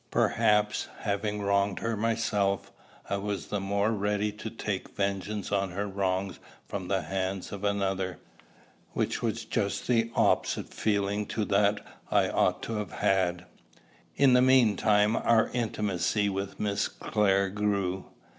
Perhaps, having wronged her myself, I was the more ready to take vengeance on her wrongs from the hands of another; which was just the opposite feeling to that I ought to have had. In the mean time, our intimacy with Miss Clare grew.